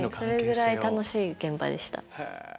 それぐらい楽しい現場でした。